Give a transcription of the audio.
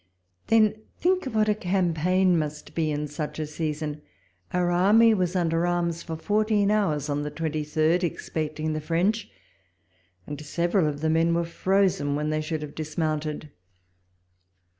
Then think what a campaign must be in such a season ! Our army was under arms for fourteen hours on the twenty third, expecting the French ; and several of the men were frozen when they should have dismounted.